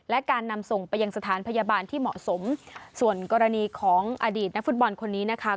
และการนำส่งไปยังสถานพยาบาลที่เหมาะสมส่วนกรณีของอดีตนักฟุตบอลคนนี้นะคะ